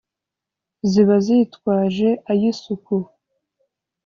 Ziba zitwaje ay' isuku.